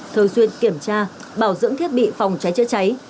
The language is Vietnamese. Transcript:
thường xuyên kiểm tra bảo dưỡng thiết bị phòng cháy chữa cháy